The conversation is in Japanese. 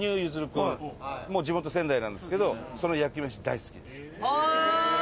君も地元、仙台なんですけどその焼きめし、大好きです。